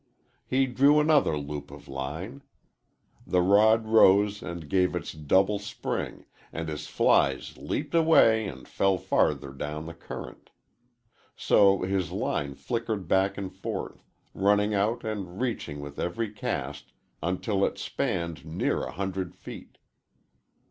He drew another loop of line. The rod rose and gave its double spring, and his flies leaped away and fell farther down the current. So his line flickered back and forth, running out and reaching with every cast until it spanned near a hundred feet.